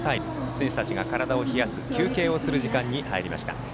選手たちが体を冷やす休憩する時間に入りました。